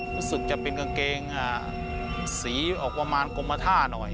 รู้สึกจะเป็นกางเกงสีออกประมาณกรมท่าหน่อย